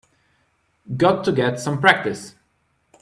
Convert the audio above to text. Got to get some practice.